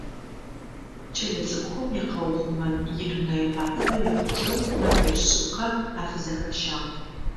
Кӏэлэцӏыкӏухэм якъэухъумэн и Дунэе мафэ ехъулӏэу мэфэкӏ шъыпкъэ афызэхащагъ.